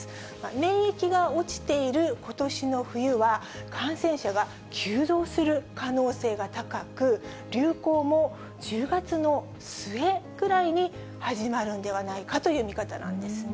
免疫が落ちていることしの冬は、感染者が急増する可能性が高く、流行も１０月の末ぐらいに始まるんではないかという見方なんです